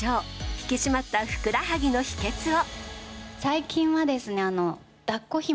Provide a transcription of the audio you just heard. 引き締まったふくらはぎの秘訣を。